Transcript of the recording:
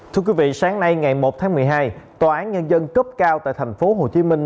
thưa quý vị sáng nay ngày một tháng một mươi hai tòa án nhân dân cấp cao tại thành phố hồ chí minh